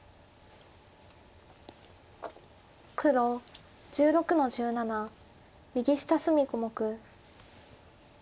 黒１６の十七右下隅小目。